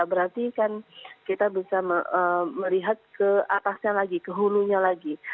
berarti kan kita bisa melihat ke atasnya lagi ke hulunya lagi